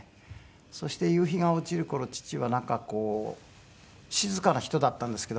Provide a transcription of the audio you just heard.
そして夕日が落ちる頃父はなんかこう静かな人だったんですけど。